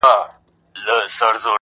بیا د ښکلیو پر تندیو اوربل خپور سو؛